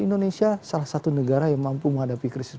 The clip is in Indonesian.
indonesia salah satu negara yang mampu menghadapi krisis